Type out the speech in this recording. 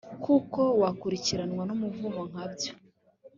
kuko wakurikiranwa n’umuvumo nka byo.